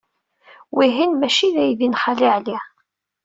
Wihin maci d aydi n Xali Ɛli?